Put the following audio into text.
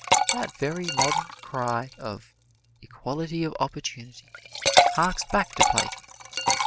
That very modern cry of "equality of opportunity" harks back to Plato.